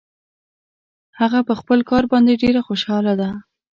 هغه په خپل کار باندې ډېر خوشحاله ده